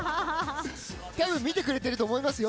見てくれてると思いますよ。